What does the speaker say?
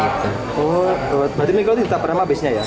berarti mikolet itu tak pernah habisnya ya